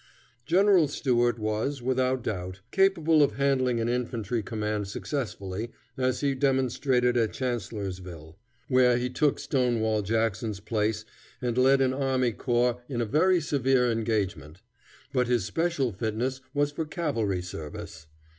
General Stuart was, without doubt, capable of handling an infantry command successfully, as he demonstrated at Chancellorsville, where he took Stonewall Jackson's place and led an army corps in a very severe engagement; but his special fitness was for cavalry service.